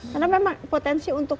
karena memang potensi untuk